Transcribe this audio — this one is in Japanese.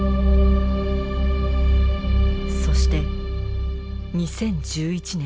そして２０１１年。